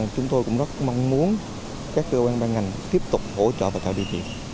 chúng tôi cũng rất mong muốn các cơ quan ban ngành tiếp tục hỗ trợ và tạo điều kiện